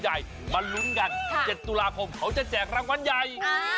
ใหญ่มาลุ้นกัน๗ตุลาคมเขาจะแจกรางวัลใหญ่